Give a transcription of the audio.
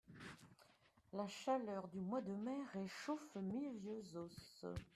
La chaleur du mois de Mai réchauffe mes vieux os